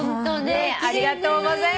ありがとうございます